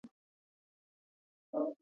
افغانستان د د کلیزو منظره له مخې پېژندل کېږي.